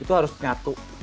itu harus nyatu